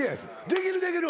できるできる。